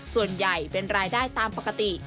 ส่วนใหญ่เป็นรายได้ตามปกติ